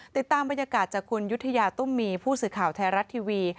ติดตามบรรยากาศจากคุณยุธยาตุ้มมีผู้สื่อข่าวไทยรัฐทีวี